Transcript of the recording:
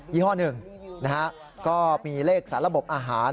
ี่ห้อหนึ่งนะฮะก็มีเลขสาระบบอาหาร